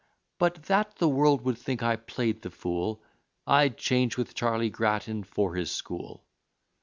But that the world would think I play'd the fool, I'd change with Charley Grattan for his school.